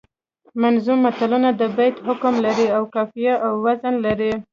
منظوم متلونه د بیت حکم لري او قافیه او وزن لري